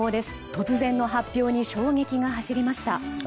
突然の発表に衝撃が走りました。